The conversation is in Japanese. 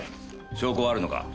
証拠はあるのか？